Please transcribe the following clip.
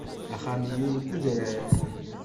Axxam-inu deg udrar.